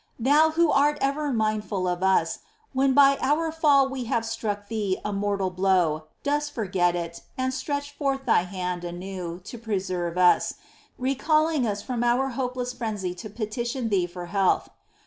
Thou Who art ever mindful of us, when by our fall we have struck Thee a mortal blow, dost forget it, and stretch forth Thy hand anew to preserve us,^ recalling us from our hopeless frenzy to petition Thee for health.